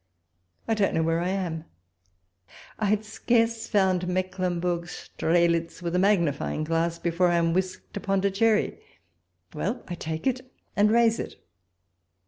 I don't know where I am. I had scarce found Mecklenburg Strelitz with a magnifying glass before I am whisked to Pondicherry — well, I take it, and raze it.